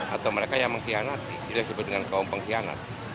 atau mereka yang mengkhianati bila disebut dengan kaum pengkhianat